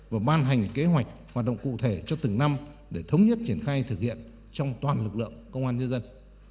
và ban hành kế hoạch hoạt động cụ thể cho từng năm để thống nhất triển khai thực hiện trong toàn lực lượng công an nhân dân